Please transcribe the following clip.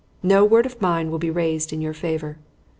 No word of mine will be raised in your favor.